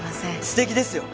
すてきですよ！